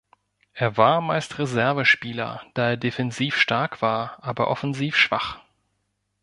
Er war meist Reservespieler, da er defensiv stark war, aber offensiv schwach.